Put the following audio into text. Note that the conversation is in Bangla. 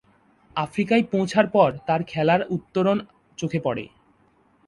আফ্রিকায় পৌঁছার পর তার খেলার উত্তরণ চোখে পড়ে।